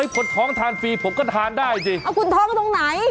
คนท้องทานฟรีผมก็ทานได้สิเอาคุณท้องตรงไหน